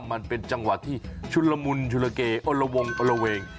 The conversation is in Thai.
มันเป็นจังหวะที่ชุนละมุนชุลเกอลละวงอลละเวง